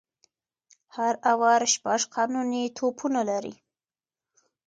هر آور شپږ قانوني توپونه لري.